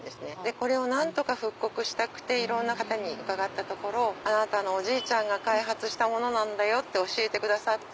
これを何とか復刻したくていろんな方に伺ったところ「あなたのおじいちゃんが開発した」って教えてくださって。